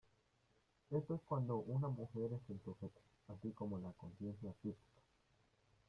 Esto es cuando una mujer es el sujeto, así como la "conciencia artística".